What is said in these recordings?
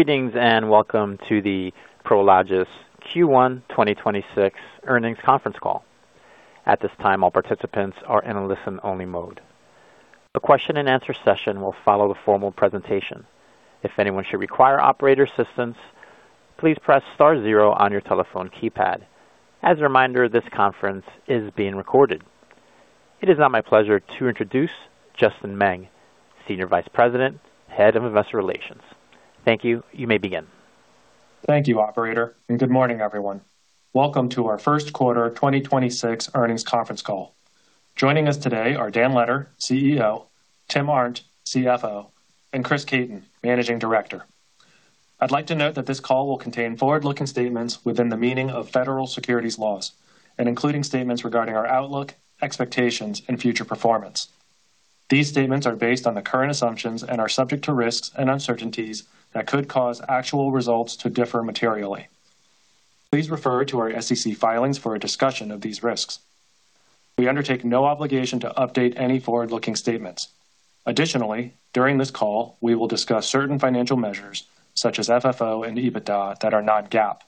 Greetings and welcome to the Prologis Q1 2026 earnings conference call. At this time, all participants are in a listen-only mode. A question and answer session will follow the formal presentation. If anyone should require operator assistance, please press star zero on your telephone keypad. As a reminder, this conference is being recorded. It is now my pleasure to introduce Justin Meng, Senior Vice President, Head of Investor Relations. Thank you. You may begin. Thank you, operator, and good morning, everyone. Welcome to our first quarter 2026 earnings conference call. Joining us today are Dan Letter, CEO, Tim Arndt, CFO, and Chris Caton, Managing Director. I'd like to note that this call will contain forward-looking statements within the meaning of Federal Securities laws, and including statements regarding our outlook, expectations, and future performance. These statements are based on the current assumptions and are subject to risks and uncertainties that could cause actual results to differ materially. Please refer to our SEC filings for a discussion of these risks. We undertake no obligation to update any forward-looking statements. Additionally, during this call, we will discuss certain financial measures, such as FFO and EBITDA, that are not GAAP.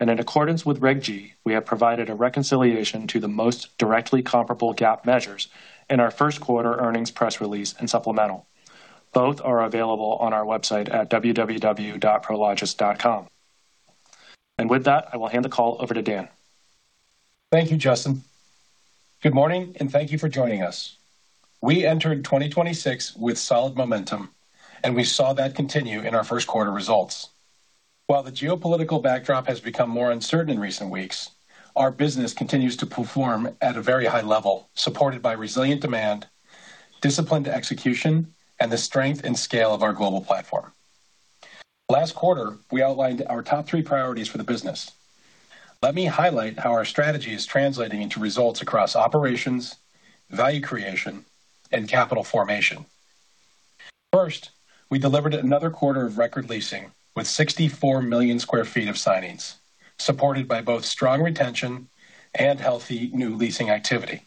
In accordance with Regulation G, we have provided a reconciliation to the most directly comparable GAAP measures in our first quarter earnings press release and supplemental. Both are available on our website at www.prologis.com. With that, I will hand the call over to Dan. Thank you, Justin. Good morning, and thank you for joining us. We entered 2026 with solid momentum, and we saw that continue in our first quarter results. While the geopolitical backdrop has become more uncertain in recent weeks, our business continues to perform at a very high level, supported by resilient demand, disciplined execution, and the strength and scale of our global platform. Last quarter, we outlined our top three priorities for the business. Let me highlight how our strategy is translating into results across operations, value creation, and capital formation. First, we delivered another quarter of record leasing with 64 million sq ft of signings, supported by both strong retention and healthy new leasing activity.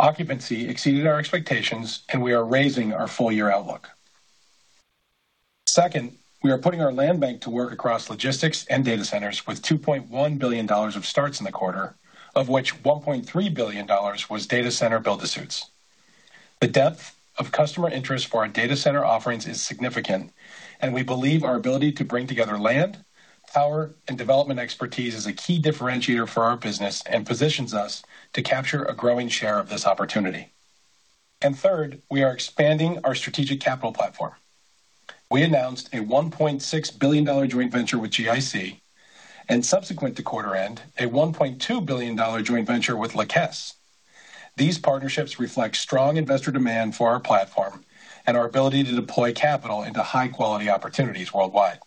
Occupancy exceeded our expectations, and we are raising our full year outlook. Second, we are putting our land bank to work across logistics and data centers with $2.1 billion of starts in the quarter, of which $1.3 billion was data center build-to-suits. The depth of customer interest for our data center offerings is significant, and we believe our ability to bring together land, power, and development expertise is a key differentiator for our business and positions us to capture a growing share of this opportunity. Third, we are expanding our strategic capital platform. We announced a $1.6 billion joint venture with GIC, and subsequent to quarter end, a $1.2 billion joint venture with La Caisse. These partnerships reflect strong investor demand for our platform and our ability to deploy capital into high-quality opportunities worldwide.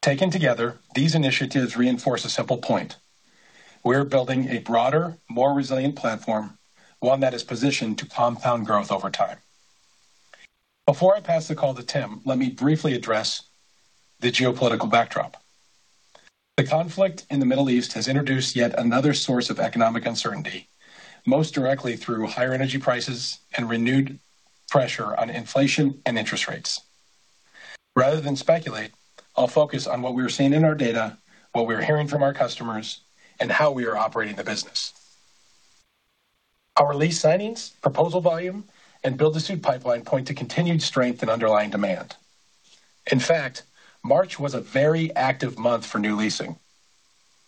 Taken together, these initiatives reinforce a simple point. We're building a broader, more resilient platform, one that is positioned to compound growth over time. Before I pass the call to Tim, let me briefly address the geopolitical backdrop. The conflict in the Middle East has introduced yet another source of economic uncertainty, most directly through higher energy prices and renewed pressure on inflation and interest rates. Rather than speculate, I'll focus on what we are seeing in our data, what we are hearing from our customers, and how we are operating the business. Our lease signings, proposal volume, and build-to-suit pipeline point to continued strength in underlying demand. In fact, March was a very active month for new leasing.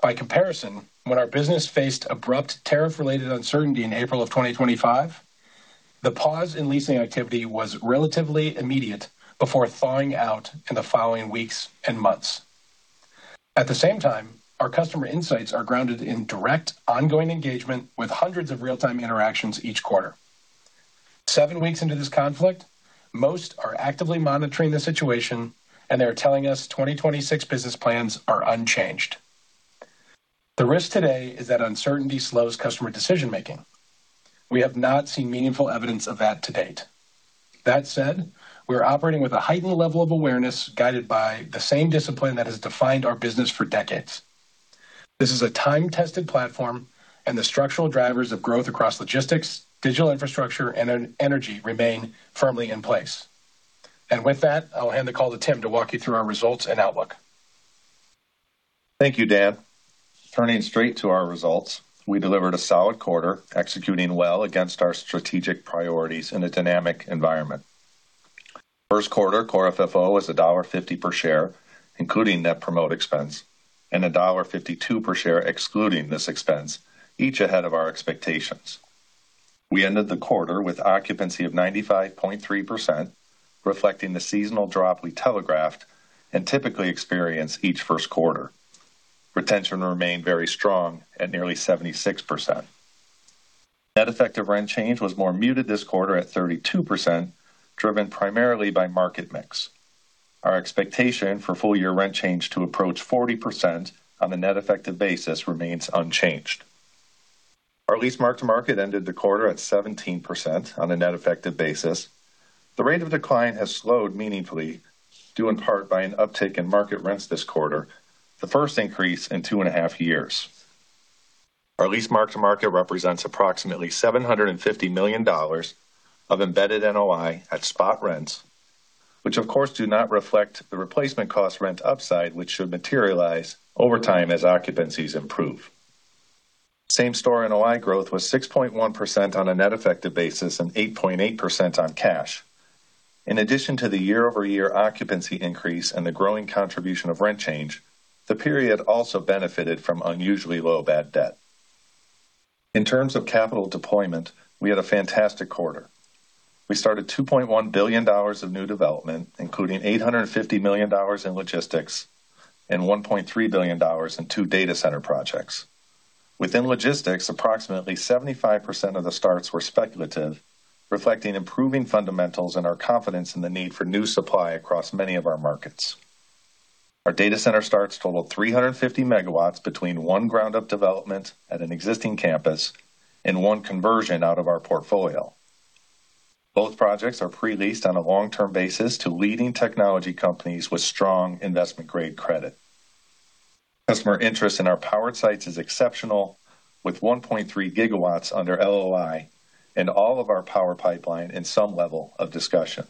By comparison, when our business faced abrupt tariff related uncertainty in April of 2025, the pause in leasing activity was relatively immediate before thawing out in the following weeks and months. At the same time, our customer insights are grounded in direct, ongoing engagement with hundreds of real-time interactions each quarter. Seven weeks into this conflict, most are actively monitoring the situation, and they are telling us 2026 business plans are unchanged. The risk today is that uncertainty slows customer decision-making. We have not seen meaningful evidence of that to date. That said, we are operating with a heightened level of awareness, guided by the same discipline that has defined our business for decades. This is a time-tested platform, and the structural drivers of growth across logistics, digital infrastructure, and energy remain firmly in place. With that, I'll hand the call to Tim to walk you through our results and outlook. Thank you, Dan. Turning straight to our results, we delivered a solid quarter, executing well against our strategic priorities in a dynamic environment. First quarter Core FFO was $1.50 per share, including net promote expense, and $1.52 per share excluding this expense, each ahead of our expectations. We ended the quarter with occupancy of 95.3%, reflecting the seasonal drop we telegraphed and typically experience each first quarter. Retention remained very strong at nearly 76%. Net effective rent change was more muted this quarter at 32%, driven primarily by market mix. Our expectation for full year rent change to approach 40% on a net effective basis remains unchanged. Our lease mark to market ended the quarter at 17% on a net effective basis. The rate of decline has slowed meaningfully, due in part by an uptick in market rents this quarter, the first increase in two and a half years. Our lease mark to market represents approximately $750 million of embedded NOI at spot rents, which of course do not reflect the replacement cost rent upside, which should materialize over time as occupancies improve. Same-store NOI growth was 6.1% on a net effective basis and 8.8% on cash. In addition to the year-over-year occupancy increase and the growing contribution of rent change, the period also benefited from unusually low bad debt. In terms of capital deployment, we had a fantastic quarter. We started $2.1 billion of new development, including $850 million in logistics and $1.3 billion in two data center projects. Within logistics, approximately 75% of the starts were speculative, reflecting improving fundamentals in our confidence in the need for new supply across many of our markets. Our data center starts totaled 350 MW between one ground-up development at an existing campus and one conversion out of our portfolio. Both projects are pre-leased on a long-term basis to leading technology companies with strong investment-grade credit. Customer interest in our power sites is exceptional, with 1.3 GW under LOI and all of our power pipeline in some level of discussion.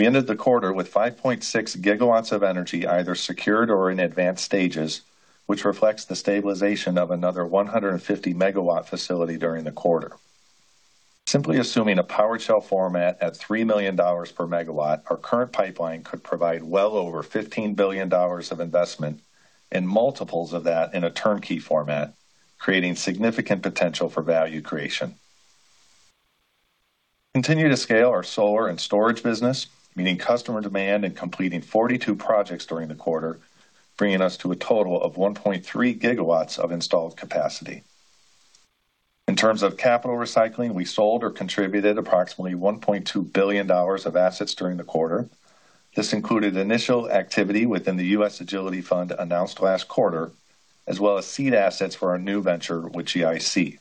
We ended the quarter with 5.6 GW of energy, either secured or in advanced stages, which reflects the stabilization of another 150-MW facility during the quarter. Simply assuming a power shell format at $3 million per MW, our current pipeline could provide well over $15 billion of investment in multiples of that in a turnkey format, creating significant potential for value creation. Continue to scale our solar and storage business, meeting customer demand and completing 42 projects during the quarter, bringing us to a total of 1.3 GW of installed capacity. In terms of capital recycling, we sold or contributed approximately $1.2 billion of assets during the quarter. This included initial activity within the U.S. Agility Fund announced last quarter, as well as seed assets for our new venture with GIC.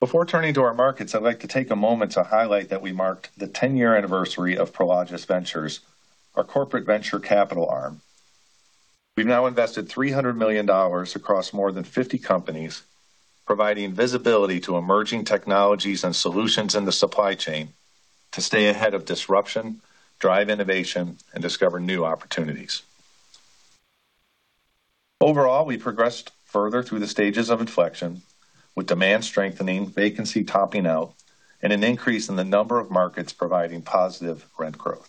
Before turning to our markets, I'd like to take a moment to highlight that we marked the 10-year anniversary of Prologis Ventures, our corporate venture capital arm. We've now invested $300 million across more than 50 companies, providing visibility to emerging technologies and solutions in the supply chain to stay ahead of disruption, drive innovation, and discover new opportunities. Overall, we progressed further through the stages of inflection with demand strengthening, vacancy topping out, and an increase in the number of markets providing positive rent growth.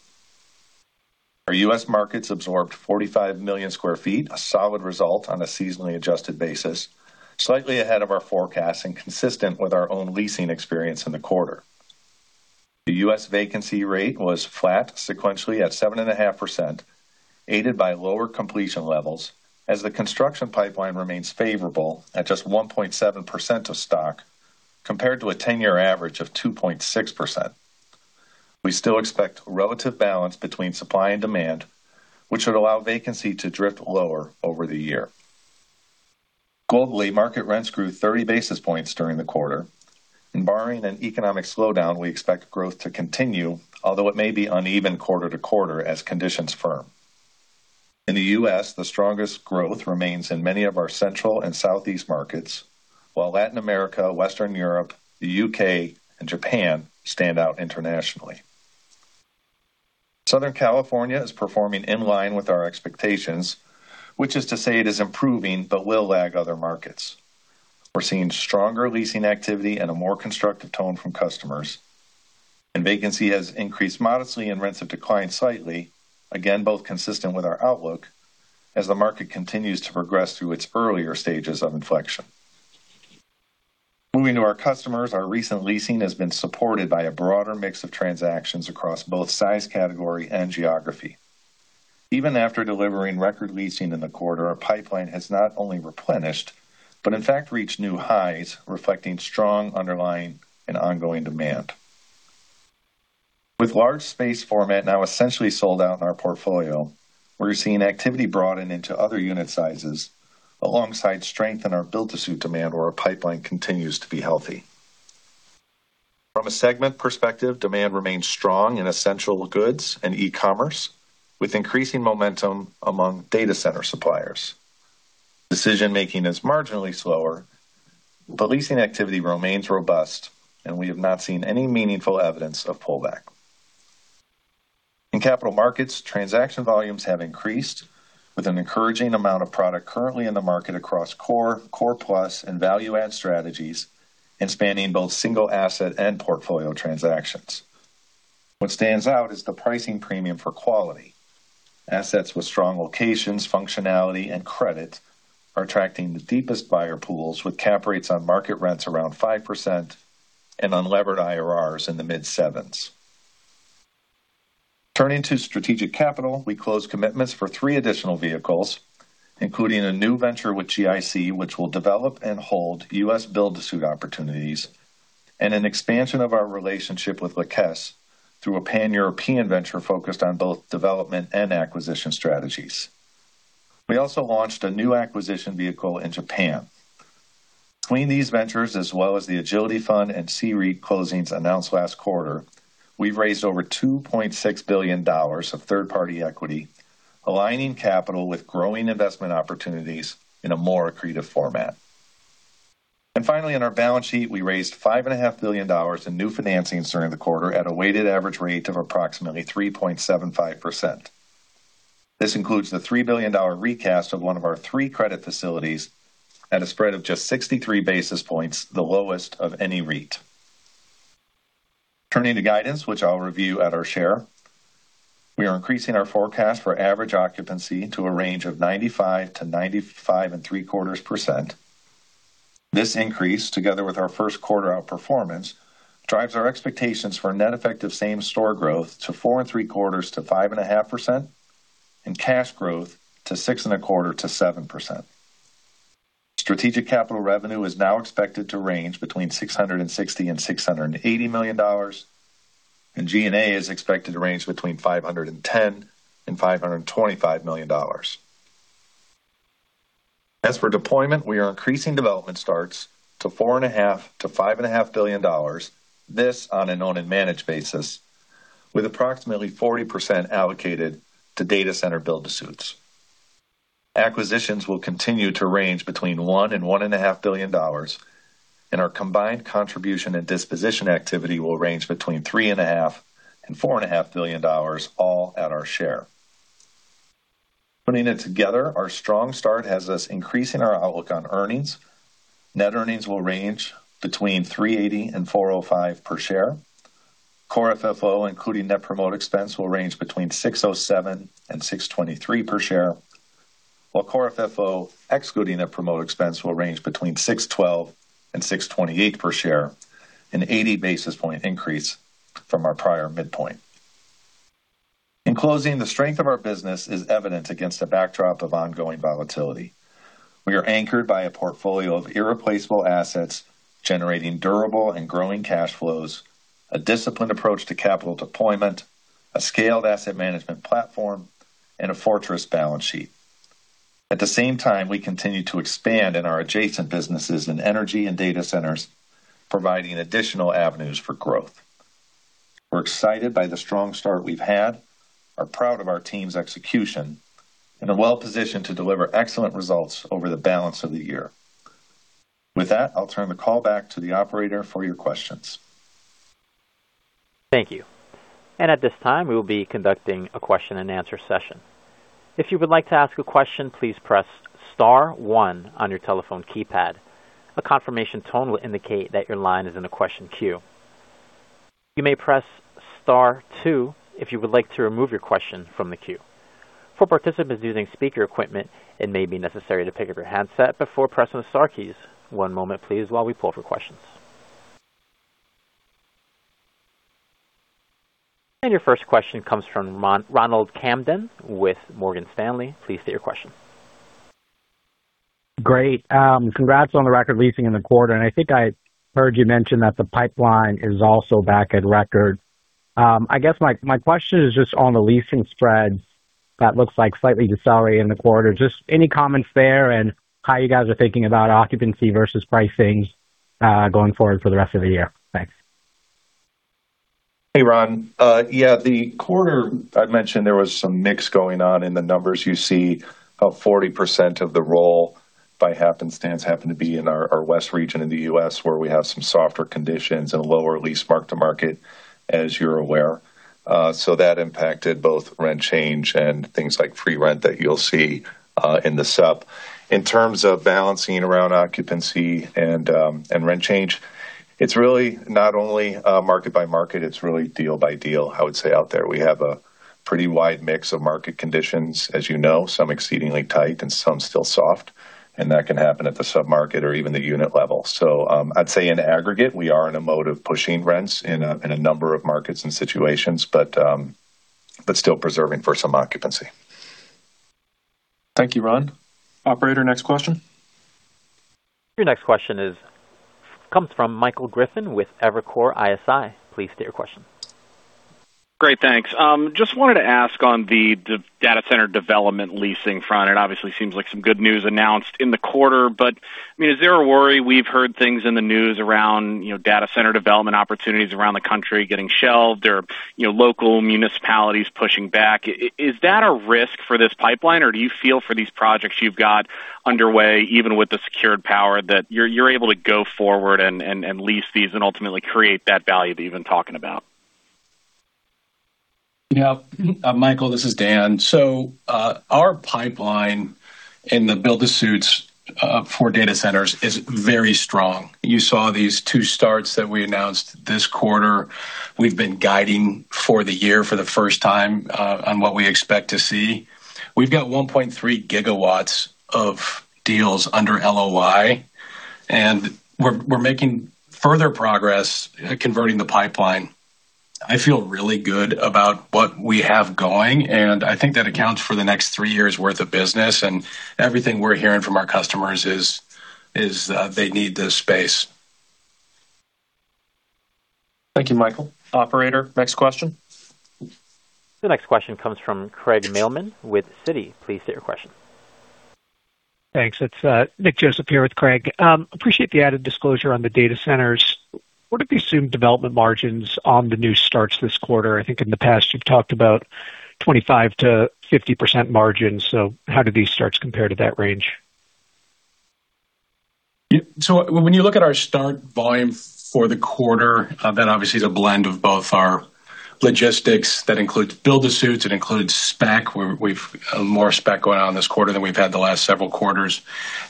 Our U.S. markets absorbed 45 million sq ft, a solid result on a seasonally adjusted basis, slightly ahead of our forecast and consistent with our own leasing experience in the quarter. The U.S. vacancy rate was flat sequentially at 7.5%, aided by lower completion levels as the construction pipeline remains favorable at just 1.7% of stock compared to a 10-year average of 2.6%. We still expect relative balance between supply and demand, which would allow vacancy to drift lower over the year. Globally, market rents grew 30 basis points during the quarter. Barring an economic slowdown, we expect growth to continue, although it may be uneven quarter-to-quarter as conditions firm. In the U.S., the strongest growth remains in many of our central and southeast markets, while Latin America, Western Europe, the U.K., and Japan stand out internationally. Southern California is performing in line with our expectations, which is to say it is improving but will lag other markets. We're seeing stronger leasing activity and a more constructive tone from customers, and vacancy has increased modestly and rents have declined slightly. Again, both consistent with our outlook as the market continues to progress through its earlier stages of inflection. Moving to our customers, our recent leasing has been supported by a broader mix of transactions across both size, category, and geography. Even after delivering record leasing in the quarter, our pipeline has not only replenished, but in fact reached new highs, reflecting strong underlying and ongoing demand. With large space format now essentially sold out in our portfolio, we're seeing activity broaden into other unit sizes alongside strength in our build-to-suit demand. Our pipeline continues to be healthy. From a segment perspective, demand remains strong in essential goods and e-commerce, with increasing momentum among data center suppliers. Decision-making is marginally slower, but leasing activity remains robust, and we have not seen any meaningful evidence of pullback. In capital markets, transaction volumes have increased with an encouraging amount of product currently in the market across core-plus, and value-add strategies, and spanning both single asset and portfolio transactions. What stands out is the pricing premium for quality. Assets with strong locations, functionality, and credit are attracting the deepest buyer pools with cap rates on market rents around 5% and unlevered IRRs in the mid sevens. Turning to strategic capital, we closed commitments for three additional vehicles, including a new venture with GIC, which will develop and hold U.S. build-to-suit opportunities and an expansion of our relationship with La Caisse through a Pan-European venture focused on both development and acquisition strategies. We also launched a new acquisition vehicle in Japan. Between these ventures, as well as the Agility fund and CRE closings announced last quarter, we've raised over $2.6 billion of third-party equity, aligning capital with growing investment opportunities in a more accretive format. Finally, in our balance sheet, we raised $5.5 billion in new financings during the quarter at a weighted average rate of approximately 3.75%. This includes the $3 billion recast of one of our three credit facilities at a spread of just 63 basis points, the lowest of any REIT. Turning to guidance, which I'll review at our share, we are increasing our forecast for average occupancy to a range of 95%-95.75%. This increase, together with our first quarter outperformance, drives our expectations for net effective same-store growth to 4.75%-5.5%, and cash growth to 6.25%-7%. Strategic capital revenue is now expected to range between $660 million-$680 million, and G&A is expected to range between $510 million-$525 million. As for deployment, we are increasing development starts to $4.5 billion-$5.5 billion. This on an owned and managed basis with approximately 40% allocated to data center build-to-suits. Acquisitions will continue to range between $1 billion-$1.5 billion, and our combined contribution and disposition activity will range between $3.5 billion-$4.5 billion, all at our share. Putting it together, our strong start has us increasing our outlook on earnings. Net earnings will range between $3.80-$4.05 per share. Core FFO, including net promote expense, will range between $6.07-$6.23 per share, while Core FFO excluding that promote expense will range between $6.12-$6.28 per share, an 80 basis point increase from our prior midpoint. In closing, the strength of our business is evident against a backdrop of ongoing volatility. We are anchored by a portfolio of irreplaceable assets, generating durable and growing cash flows, a disciplined approach to capital deployment, a scaled asset management platform, and a fortress balance sheet. At the same time, we continue to expand in our adjacent businesses in energy and data centers, providing additional avenues for growth. We're excited by the strong start we've had, are proud of our team's execution, and are well-positioned to deliver excellent results over the balance of the year. With that, I'll turn the call back to the operator for your questions. Thank you. At this time, we will be conducting a question and answer session. If you would like to ask a question, please press star one on your telephone keypad. A confirmation tone will indicate that your line is in the question queue. You may press star two if you would like to remove your question from the queue. For participants using speaker equipment, it may be necessary to pick up your handset before pressing the star keys. One moment please while we poll for questions. Your first question comes from Ronald Kamdem with Morgan Stanley. Please state your question. Great. Congrats on the record leasing in the quarter. I think I heard you mention that the pipeline is also back at record. I guess my question is just on the leasing spreads that looks like slightly decelerating in the quarter. Just any comments there and how you guys are thinking about occupancy versus pricing going forward for the rest of the year? Thanks. Hey, Ron. Yeah, the quarter I'd mentioned there was some mix going on in the numbers you see of 40% of the roll by happenstance happen to be in our west region in the U.S. where we have some softer conditions and lower lease mark to market, as you're aware. So that impacted both rent change and things like free rent that you'll see in the sup. In terms of balancing around occupancy and rent change, it's really not only market by market, it's really deal by deal, I would say, out there. We have a pretty wide mix of market conditions, as you know. Some exceedingly tight and some still soft, and that can happen at the sub-market or even the unit level. So I'd say in aggregate, we are in a mode of pushing rents in a number of markets and situations, but still preserving for some occupancy. Thank you, Ron. Operator, next question. Your next question comes from Michael Griffin with Evercore ISI. Please state your question. Great, thanks. Just wanted to ask on the data center development leasing front, it obviously seems like some good news announced in the quarter, but, I mean, is there a worry we've heard things in the news around data center development opportunities around the country getting shelved or local municipalities pushing back? Is that a risk for this pipeline, or do you feel for these projects you've got underway, even with the secured power, that you're able to go forward and lease these and ultimately create that value that you've been talking about? Yeah. Michael, this is Dan. Our pipeline in the build-to-suits for data centers is very strong. You saw these two starts that we announced this quarter. We've been guiding for the year for the first time on what we expect to see. We've got 1.3 GW of deals under LOI, and we're making further progress converting the pipeline. I feel really good about what we have going, and I think that accounts for the next three years worth of business. Everything we're hearing from our customers is they need this space. Thank you, Michael. Operator, next question. The next question comes from Craig Mailman with Citi. Please state your question. Thanks. It's Nick Joseph here with Craig Mailman. Appreciate the added disclosure on the data centers. What are the assumed development margins on the new starts this quarter? I think in the past, you've talked about 25%-50% margins. How do these starts compare to that range? When you look at our start volume for the quarter, that obviously is a blend of both our logistics. That includes build-to-suits, it includes spec. We've more spec going on this quarter than we've had the last several quarters.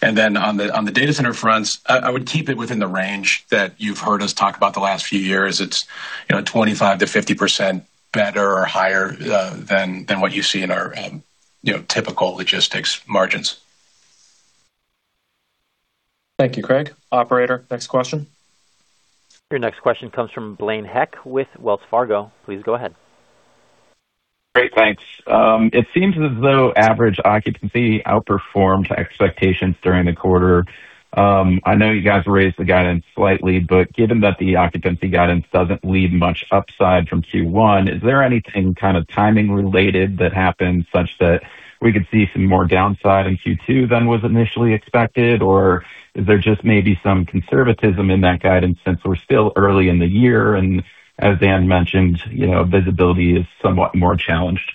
Then on the data center fronts, I would keep it within the range that you've heard us talk about the last few years. It's 25%-50% better or higher than what you see in our typical logistics margins. Thank you, Craig. Operator, next question. Your next question comes from Blaine Heck with Wells Fargo. Please go ahead. Great, thanks. It seems as though average occupancy outperformed expectations during the quarter. I know you guys raised the guidance slightly, but given that the occupancy guidance doesn't leave much upside from Q1, is there anything kind of timing related that happened such that we could see some more downside in Q2 than was initially expected? Or is there just maybe some conservatism in that guidance since we're still early in the year and as Dan mentioned, visibility is somewhat more challenged.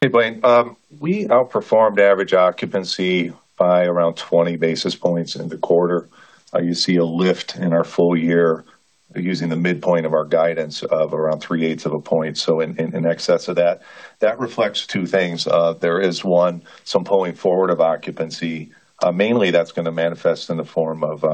Hey, Blaine. We outperformed average occupancy by around 20 basis points in the quarter. You see a lift in our full year using the midpoint of our guidance of around 3/8 of a point. In excess of that. That reflects two things. There is, one, some pulling forward of occupancy. Mainly that's going to manifest in the form of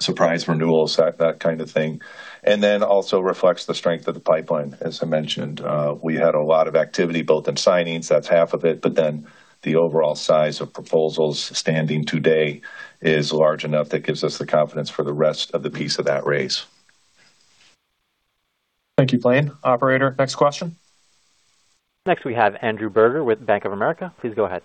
surprise renewals, that kind of thing, and then also reflects the strength of the pipeline. As I mentioned, we had a lot of activity both in signings, that's half of it, but then the overall size of proposals outstanding today is large enough that gives us the confidence for the rest of the piece of that raise. Thank you, Blaine. Operator, next question. Next we have Andrew Burger with Bank of America. Please go ahead.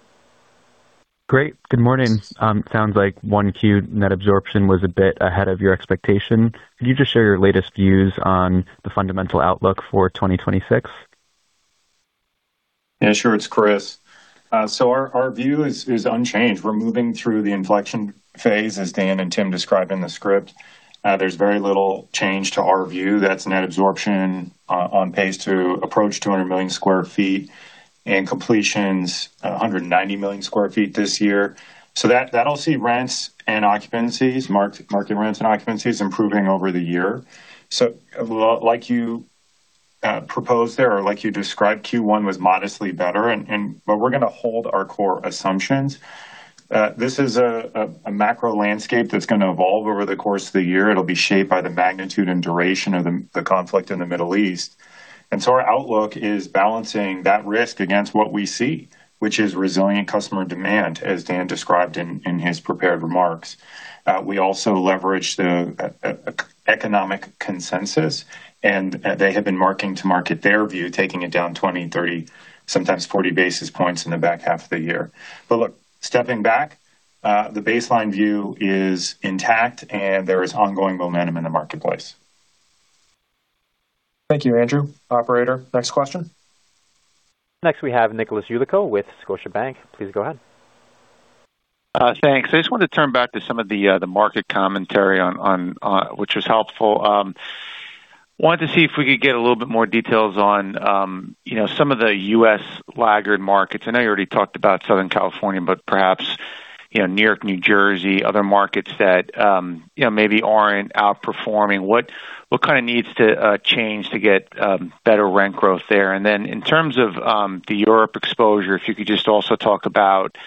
Great. Good morning. Sounds like 1Q net absorption was a bit ahead of your expectation. Could you just share your latest views on the fundamental outlook for 2026? Yeah, sure. It's Chris. Our view is unchanged. We're moving through the inflection phase, as Dan and Tim described in the script. There's very little change to our view. That's net absorption on pace to approach 200 million sq ft and completions, 190 million sq ft this year. That'll see rents and occupancies, market rents and occupancies improving over the year. Like you proposed there or like you described, Q1 was modestly better. We're going to hold our core assumptions. This is a macro landscape that's going to evolve over the course of the year. It'll be shaped by the magnitude and duration of the conflict in the Middle East. Our outlook is balancing that risk against what we see, which is resilient customer demand, as Dan described in his prepared remarks. We also leverage the economic consensus, and they have been marking to market their view, taking it down 20, 30, sometimes 40 basis points in the back half of the year. Look, stepping back, the baseline view is intact and there is ongoing momentum in the marketplace. Thank you, Andrew. Operator, next question. Next we have Nick Yulico with Scotiabank. Please go ahead. Thanks. I just wanted to turn back to some of the market commentary, which was helpful. I wanted to see if we could get a little bit more details on some of the U.S. laggard markets. I know you already talked about Southern California, but perhaps New York, New Jersey, other markets that maybe aren't outperforming. What kind of needs to change to get better rent growth there? And then in terms of the European exposure, if you could just also talk about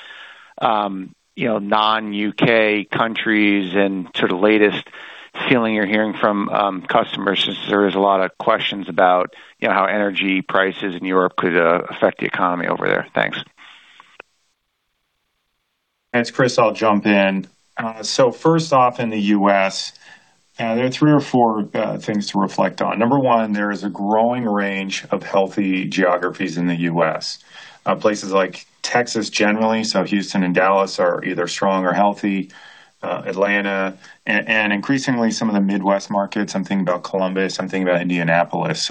non-U.K. countries and sort of latest feeling you're hearing from customers, since there is a lot of questions about how energy prices in Europe could affect the economy over there. Thanks. It's Chris. I'll jump in. First off, in the U.S., there are three or four things to reflect on. Number one, there is a growing range of healthy geographies in the U.S. Places like Texas generally. Houston and Dallas are either strong or healthy. Atlanta, and increasingly some of the Midwest markets. I'm thinking about Columbus, I'm thinking about Indianapolis.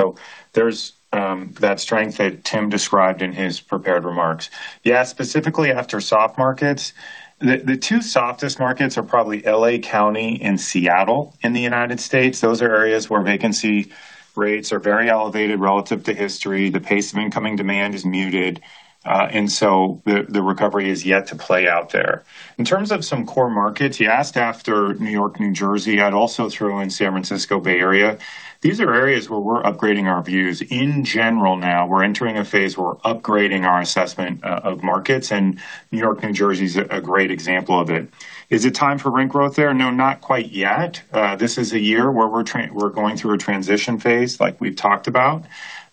There's that strength that Tim described in his prepared remarks. You asked specifically after soft markets. The two softest markets are probably L.A. County and Seattle in the United States. Those are areas where vacancy rates are very elevated relative to history. The pace of incoming demand is muted, and so the recovery is yet to play out there. In terms of some core markets, you asked after New York, New Jersey. I'd also throw in San Francisco Bay Area. These are areas where we're upgrading our views. In general now, we're entering a phase where we're upgrading our assessment of markets, and New York, New Jersey is a great example of it. Is it time for rent growth there? No, not quite yet. This is a year where we're going through a transition phase like we've talked about.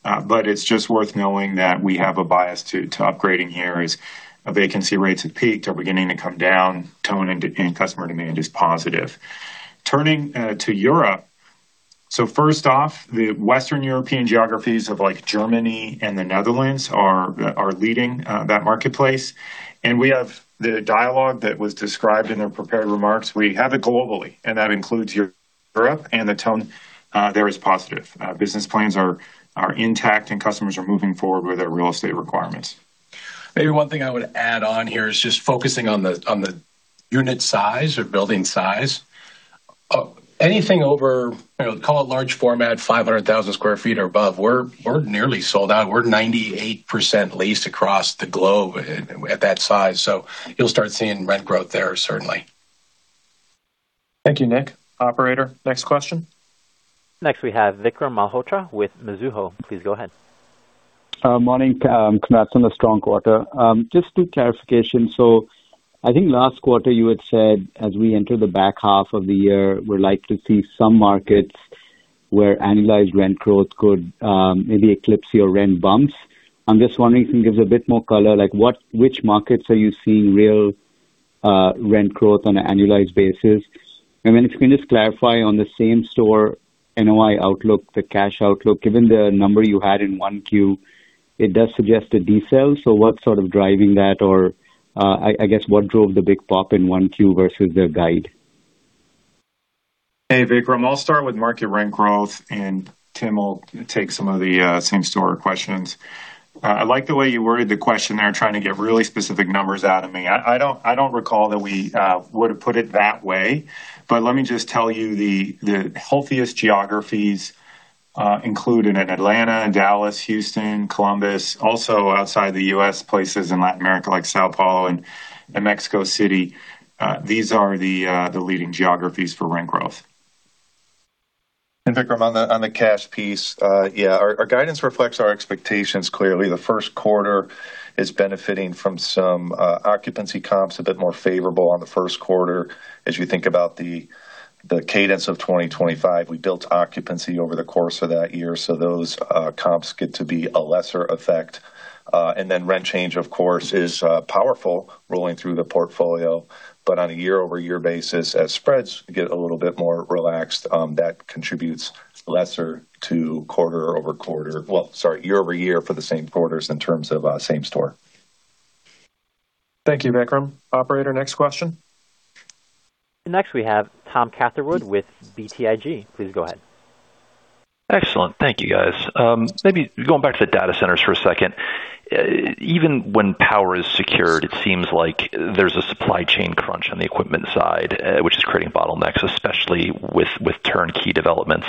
It's just worth knowing that we have a bias to upgrading here as vacancy rates have peaked, are beginning to come down, tone, and customer demand is positive. Turning to Europe. So first off, the Western European geographies of Germany and the Netherlands are leading that marketplace. We have the dialogue that was described in the prepared remarks. We have it globally, and that includes Europe, and the tone there is positive. Business plans are intact, and customers are moving forward with their real estate requirements. Maybe one thing I would add on here is just focusing on the unit size or building size. Anything over, call it large format, 500,000 sq ft or above, we're nearly sold out. We're 98% leased across the globe at that size. You'll start seeing rent growth there certainly. Thank you, Nick. Operator, next question. Next, we have Vikram Malhotra with Mizuho. Please go ahead. Morning, congrats on the strong quarter. Just two clarifications. I think last quarter you had said as we enter the back half of the year, we're likely to see some markets where annualized rent growth could maybe eclipse your rent bumps. I'm just wondering if you can give us a bit more color, like which markets are you seeing real rent growth on an annualized basis? If you can just clarify on the same store NOI outlook, the cash outlook, given the number you had in 1Q, it does suggest a decel. What's sort of driving that or I guess what drove the big pop in 1Q versus the guide? Hey, Vikram. I'll start with market rent growth, and Tim will take some of the same store questions. I like the way you worded the question there, trying to get really specific numbers out of me. I don't recall that we would have put it that way. Let me just tell you, the healthiest geographies include Atlanta, Dallas, Houston, Columbus, also outside the U.S., places in Latin America like São Paulo and Mexico City. These are the leading geographies for rent growth. Vikram, on the cash piece, yeah, our guidance reflects our expectations clearly. The first quarter is benefiting from some occupancy comps, a bit more favorable on the first quarter. As you think about the cadence of 2025, we built occupancy over the course of that year. Those comps get to be a lesser effect. Then rent change, of course, is powerful rolling through the portfolio. On a year-over-year basis, as spreads get a little bit more relaxed, that contributes lesser to quarter-over-quarter. Well, sorry, year-over-year for the same quarters in terms of same-store. Thank you, Vikram. Operator, next question. Next, we have Thomas Catherwood with BTIG. Please go ahead. Excellent. Thank you, guys. Maybe going back to the data centers for a second. Even when power is secured, it seems like there's a supply chain crunch on the equipment side, which is creating bottlenecks, especially with turnkey developments.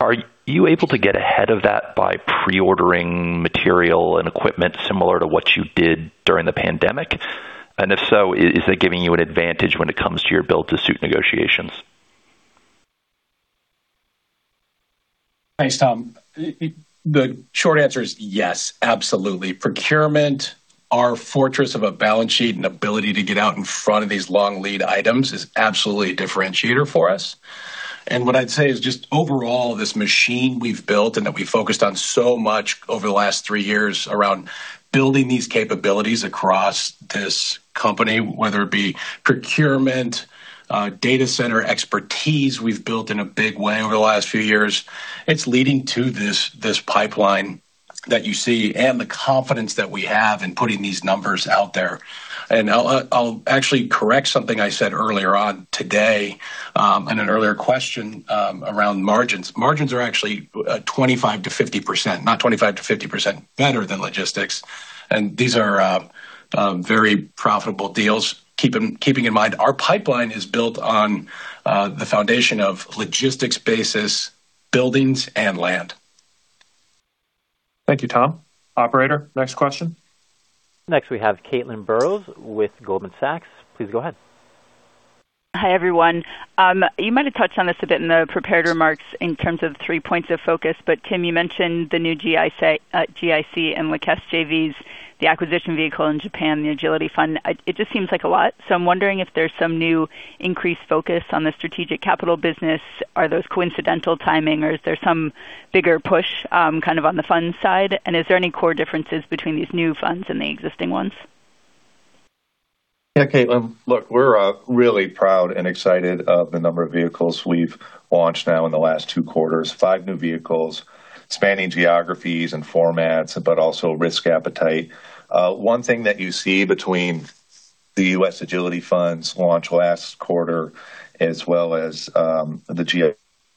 Are you able to get ahead of that by pre-ordering material and equipment similar to what you did during the pandemic? And if so, is that giving you an advantage when it comes to your build to suit negotiations? Thanks, Tom. The short answer is yes, absolutely. Procurement, our fortress of a balance sheet, and ability to get out in front of these long lead items is absolutely a differentiator for us. What I'd say is just overall, this machine we've built and that we focused on so much over the last three years around building these capabilities across this company, whether it be procurement, data center expertise we've built in a big way over the last few years. It's leading to this pipeline that you see and the confidence that we have in putting these numbers out there. I'll actually correct something I said earlier on today in an earlier question around margins. Margins are actually 25%-50%, not 25%-50% better than logistics. These are very profitable deals. Keeping in mind, our pipeline is built on the foundation of logistics-based buildings and land. Thank you, Tom. Operator, next question. Next, we have Caitlin Burrows with Goldman Sachs. Please go ahead. Hi, everyone. You might have touched on this a bit in the prepared remarks in terms of three points of focus. Tim, you mentioned the new GIC and La Caisse JVs, the acquisition vehicle in Japan, the Agility Fund. It just seems like a lot. I'm wondering if there's some new increased focus on the strategic capital business. Are those coincidental timing, or is there some bigger push kind of on the fund side? Is there any core differences between these new funds and the existing ones? Yeah, Caitlin. Look, we're really proud and excited of the number of vehicles we've launched now in the last two quarters, five new vehicles spanning geographies and formats, but also risk appetite. One thing that you see between the U.S. Agility funds launched last quarter as well as the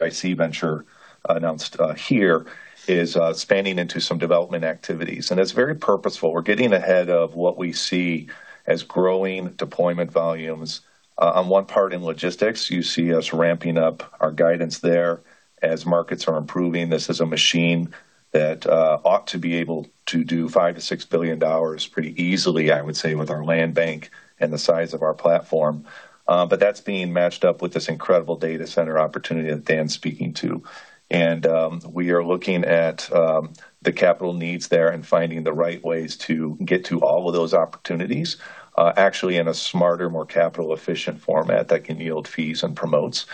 GIC venture announced here is spanning into some development activities, and it's very purposeful. We're getting ahead of what we see as growing deployment volumes. On one part in logistics, you see us ramping up our guidance there as markets are improving. This is a machine that ought to be able to do $5 billion-$6 billion pretty easily, I would say, with our land bank and the size of our platform. But that's being matched up with this incredible data center opportunity that Dan's speaking to. We are looking at the capital needs there and finding the right ways to get to all of those opportunities actually in a smarter, more capital efficient format that can yield fees and promotes.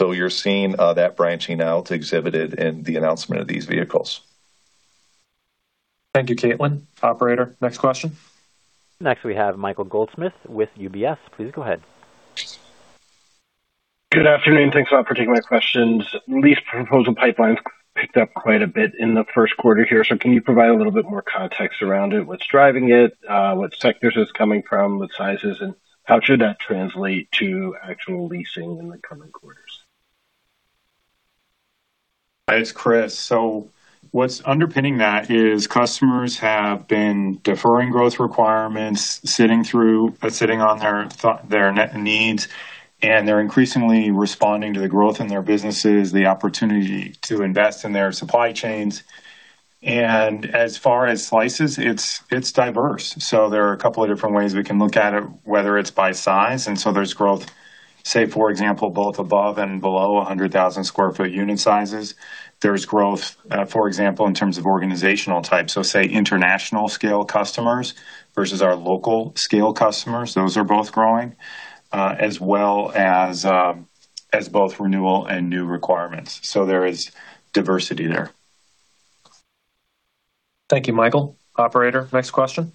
You're seeing that branching out exhibited in the announcement of these vehicles. Thank you, Caitlin. Operator, next question. Next, we have Michael Goldsmith with UBS. Please go ahead. Good afternoon. Thanks a lot for taking my questions. Lease proposal pipelines picked up quite a bit in the first quarter here. Can you provide a little bit more context around it? What's driving it? What sectors it's coming from? What sizes? And how should that translate to actual leasing in the coming quarters? It's Chris. What's underpinning that is customers have been deferring growth requirements, sitting on their net needs, and they're increasingly responding to the growth in their businesses, the opportunity to invest in their supply chains. As far as slices, it's diverse. There are a couple of different ways we can look at it, whether it's by size. There's growth, say, for example, both above and below 100,000 sq ft unit sizes. There's growth, for example, in terms of organizational type. Say international scale customers versus our local scale customers. Those are both growing, as well as both renewal and new requirements. There is diversity there. Thank you, Michael. Operator, next question.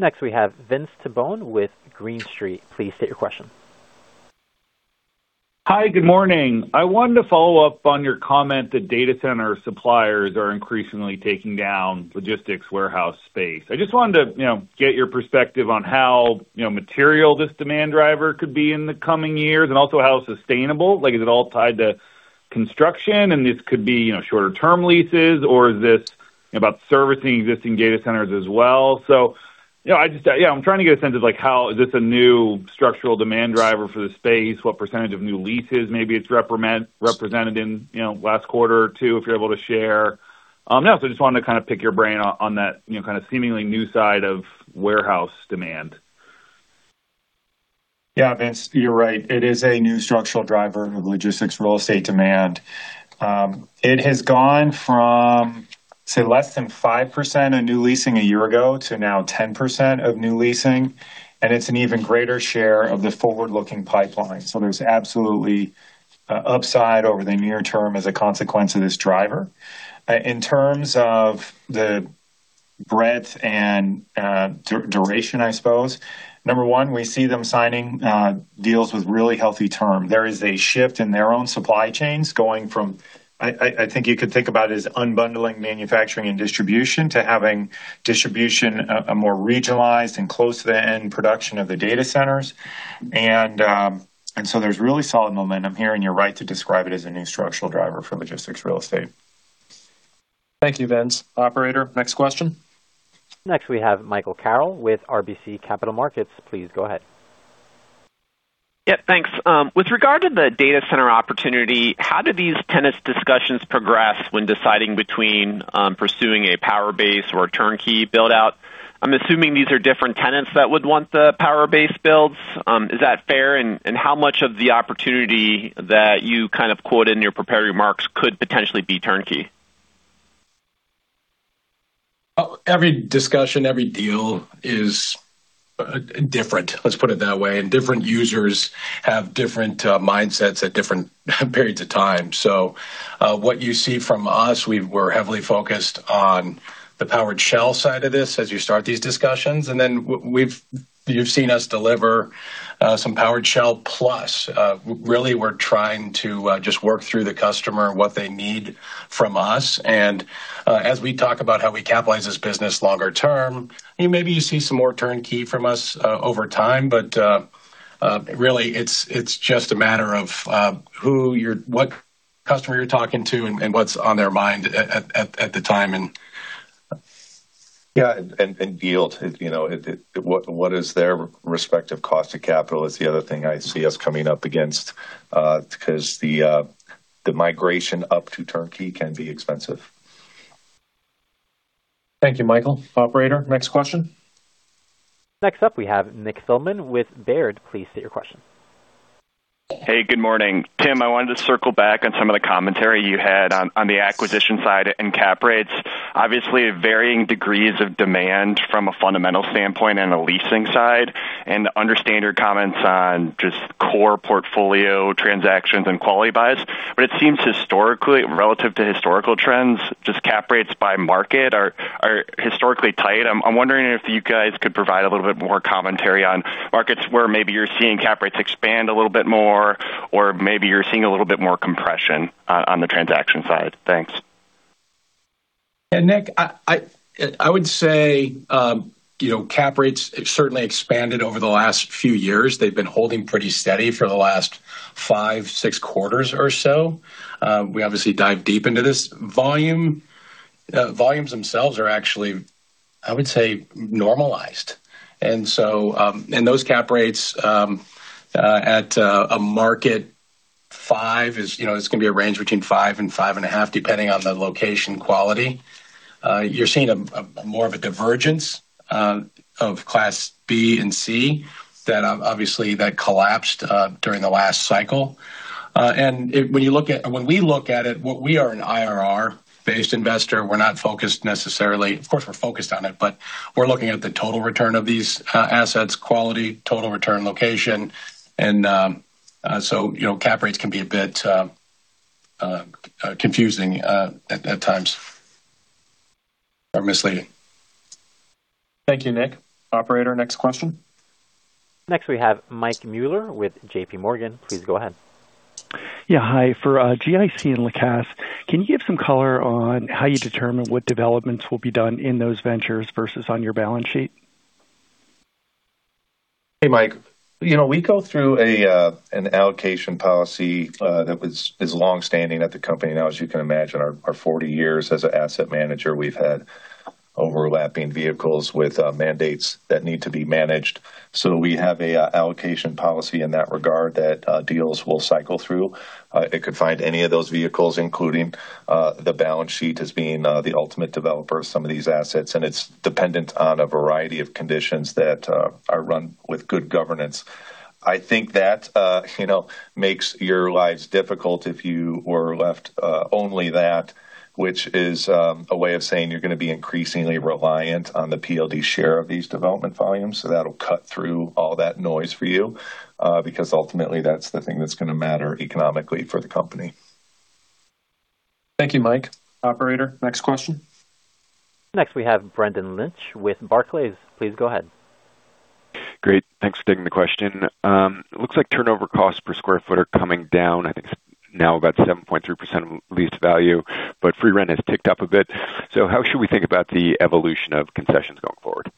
Next we have Vince Tibone with Green Street. Please state your question. Hi, good morning. I wanted to follow up on your comment that data center suppliers are increasingly taking down logistics warehouse space. I just wanted to get your perspective on how material this demand driver could be in the coming years, and also how sustainable. Is it all tied to construction and this could be shorter term leases or is this about servicing existing data centers as well? I'm trying to get a sense of how is this a new structural demand driver for the space? What percentage of new leases maybe it's represented in last quarter or two, if you're able to share? I just wanted to kind of pick your brain on that kind of seemingly new side of warehouse demand. Yeah, Vince, you're right. It is a new structural driver of logistics real estate demand. It has gone from, say, less than 5% of new leasing a year ago to now 10% of new leasing, and it's an even greater share of the forward-looking pipeline. So there's absolutely upside over the near term as a consequence of this driver. In terms of the breadth and duration, I suppose, number one, we see them signing deals with really healthy term. There is a shift in their own supply chains going from, I think you could think about it as unbundling manufacturing and distribution to having distribution more regionalized and close to the end production of the data centers. There's really solid momentum here, and you're right to describe it as a new structural driver for logistics real estate. Thank you, Vince. Operator, next question. Next we have Michael Carroll with RBC Capital Markets. Please go ahead. Yeah, thanks. With regard to the data center opportunity, how do these tenant discussions progress when deciding between pursuing a power-based or a turnkey build-out? I'm assuming these are different tenants that would want the power-based builds. Is that fair? How much of the opportunity that you kind of quoted in your prepared remarks could potentially be turnkey? Every discussion, every deal is different, let's put it that way, and different users have different mindsets at different periods of time. What you see from us, we're heavily focused on the powered shell side of this as you start these discussions, and then you've seen us deliver some powered shell plus. Really, we're trying to just work through the customer, what they need from us, and as we talk about how we capitalize this business longer term, maybe you see some more turnkey from us over time. Really, it's just a matter of what customer you're talking to and what's on their mind at the time. Yeah, and yield. What is their respective cost of capital is the other thing I see us coming up against, because the migration up to turnkey can be expensive. Thank you, Michael. Operator, next question. Next up we have Nick Thillman with Baird. Please state your question. Hey, good morning. Tim, I wanted to circle back on some of the commentary you had on the acquisition side and cap rates. Obviously, varying degrees of demand from a fundamental standpoint and a leasing side, and understand your comments on just core portfolio transactions and quality buys. It seems historically, relative to historical trends, just cap rates by market are historically tight. I'm wondering if you guys could provide a little bit more commentary on markets where maybe you're seeing cap rates expand a little bit more, or maybe you're seeing a little bit more compression on the transaction side. Thanks. Yeah, Nick, I would say cap rates certainly expanded over the last few years. They've been holding pretty steady for the last 5, 6 quarters or so. We obviously dive deep into this. Volumes themselves are actually, I would say, normalized. Those cap rates at a market 5%, it's going to be a range between 5% and 5.5%, depending on the location quality. You're seeing more of a divergence of class B and C, obviously, that collapsed during the last cycle. When we look at it, we are an IRR-based investor. We're not focused necessarily. Of course, we're focused on it, but we're looking at the total return of these assets, quality, total return, location, and so, cap rates can be a bit confusing at times, or misleading. Thank you, Nick. Operator, next question. Next we have Michael Mueller with JPMorgan. Please go ahead. Yeah. Hi. For GIC and La Caisse, can you give some color on how you determine what developments will be done in those ventures versus on your balance sheet? Hey, Mike. We go through an allocation policy that is longstanding at the company now. As you can imagine, our 40 years as an asset manager, we've had overlapping vehicles with mandates that need to be managed. We have an allocation policy in that regard that deals will cycle through. It could find any of those vehicles, including the balance sheet as being the ultimate developer of some of these assets, and it's dependent on a variety of conditions that are run with good governance. I think that makes your lives difficult if you were left only that, which is a way of saying you're going to be increasingly reliant on the PLD share of these development volumes. That'll cut through all that noise for you, because ultimately, that's the thing that's going to matter economically for the company. Thank you, Mike. Operator, next question. Next we have Brendan Lynch with Barclays. Please go ahead. Great. Thanks for taking the question. It looks like turnover costs per sq ft are coming down. I think it's now about 7.3% of lease value, but free rent has ticked up a bit. How should we think about the evolution of concessions going forward?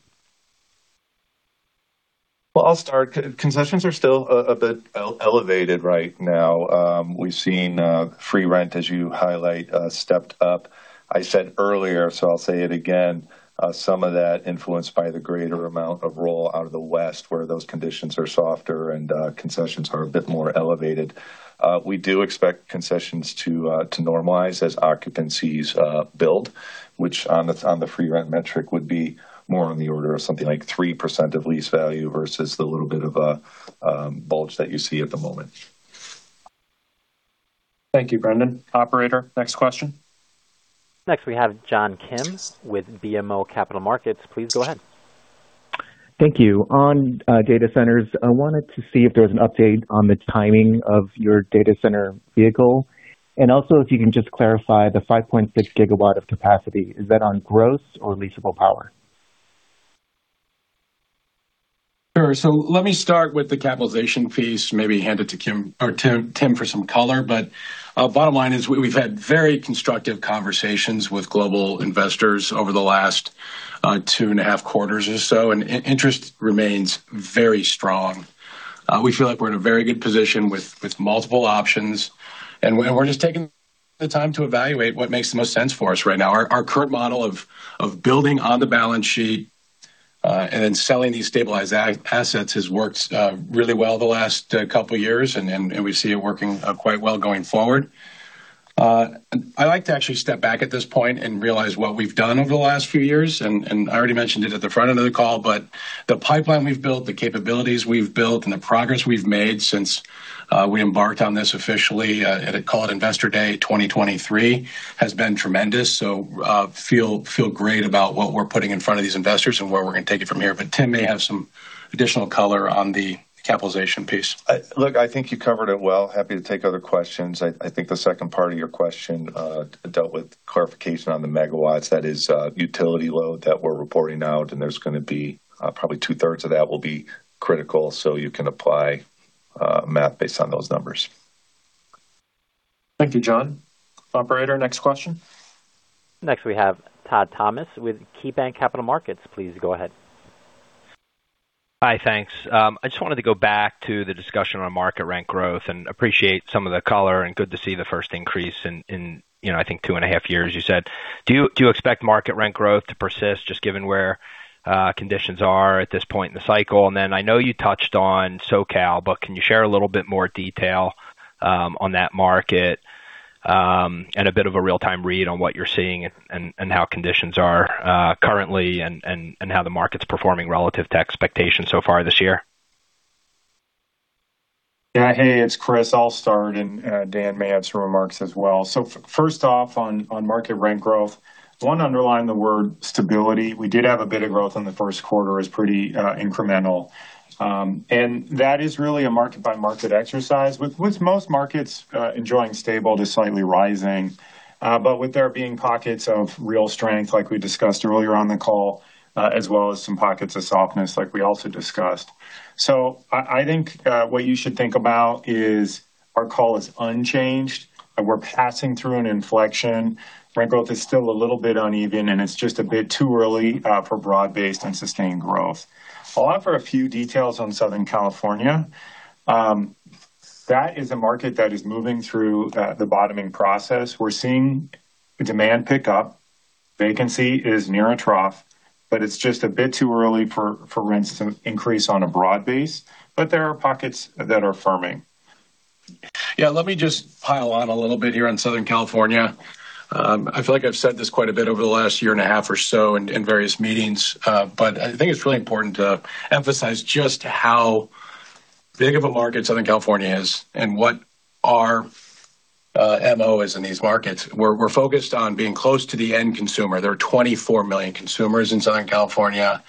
Well, I'll start. Concessions are still a bit elevated right now. We've seen free rent, as you highlight, stepped up. I said earlier, so I'll say it again, some of that influenced by the greater amount of roll out of the West, where those conditions are softer and concessions are a bit more elevated. We do expect concessions to normalize as occupancies build, which on the free rent metric would be more on the order of something like 3% of lease value versus the little bit of a bulge that you see at the moment. Thank you, Brendan. Operator, next question. Next we have John P. Kim with BMO Capital Markets. Please go ahead. Thank you. On data centers, I wanted to see if there was an update on the timing of your data center vehicle. Also if you can just clarify the 5.6 GW of capacity, is that on gross or leasable power? Sure. Let me start with the capitalization piece, maybe hand it to Kim or to Tim for some color. Bottom line is we've had very constructive conversations with global investors over the last 2.5 quarters or so, and interest remains very strong. We feel like we're in a very good position with multiple options, and we're just taking the time to evaluate what makes the most sense for us right now. Our current model of building on the balance sheet, and then selling these stabilized assets has worked really well the last couple years, and we see it working quite well going forward. I like to actually step back at this point and realize what we've done over the last few years, and I already mentioned it at the front end of the call. The pipeline we've built, the capabilities we've built, and the progress we've made since we embarked on this officially at, call it, Investor Day 2023, has been tremendous. Feel great about what we're putting in front of these investors and where we're going to take it from here. Tim may have some additional color on the capitalization piece. Look, I think you covered it well. Happy to take other questions. I think the second part of your question dealt with clarification on the megawatts. That is a utility load that we're reporting out, and there's going to be probably two-thirds of that will be critical, so you can apply math based on those numbers. Thank you, John. Operator, next question. Next we have Todd Thomas with KeyBanc Capital Markets. Please go ahead. Hi, thanks. I just wanted to go back to the discussion on market rent growth and appreciate some of the color, and good to see the first increase in I think two and a half years, you said. Do you expect market rent growth to persist just given where conditions are at this point in the cycle? I know you touched on SoCal, but can you share a little bit more detail on that market, and a bit of a real-time read on what you're seeing and how conditions are currently, and how the market's performing relative to expectations so far this year? Yeah. Hey, it's Chris. I'll start, and Dan may have some remarks as well. First off on market rent growth, I want to underline the word stability. We did have a bit of growth in the first quarter. It was pretty incremental. That is really a market-by-market exercise, with most markets enjoying stable to slightly rising, with there being pockets of real strength like we discussed earlier on the call, as well as some pockets of softness like we also discussed. I think what you should think about is our call is unchanged, and we're passing through an inflection. Rent growth is still a little bit uneven, and it's just a bit too early for broad-based and sustained growth. I'll offer a few details on Southern California. That is a market that is moving through the bottoming process. We're seeing demand pick up. Vacancy is near a trough, but it's just a bit too early for rents to increase on a broad base. There are pockets that are firming. Yeah, let me just pile on a little bit here on Southern California. I feel like I've said this quite a bit over the last year and a half or so in various meetings. I think it's really important to emphasize just how big of a market Southern California is and what our MO is in these markets. We're focused on being close to the end consumer. There are 24 million consumers in Southern California.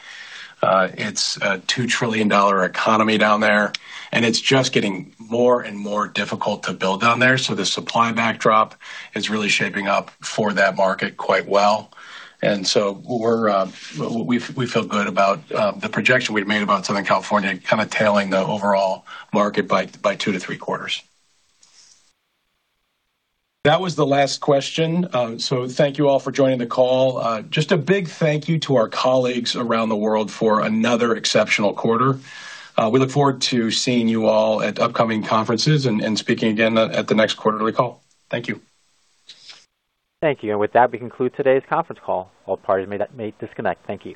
It's a $2 trillion economy down there, and it's just getting more and more difficult to build down there. The supply backdrop is really shaping up for that market quite well. We feel good about the projection we've made about Southern California kind of tailing the overall market by 2-3 quarters. That was the last question. Thank you all for joining the call. Just a big thank you to our colleagues around the world for another exceptional quarter. We look forward to seeing you all at upcoming conferences and speaking again at the next quarterly call. Thank you. Thank you. With that, we conclude today's conference call. All parties may disconnect. Thank you.